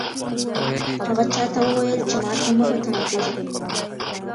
هغه چا ته وویل چې ماته مه په تمه کېږئ.